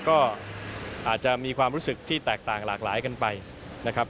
ก็อาจจะมีความรู้สึกที่แตกต่างหลากหลายกันไปนะครับ